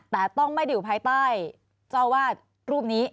แต่ต้องไม่ได้อยู่ภายใต้เจ้าวาดรูปนี้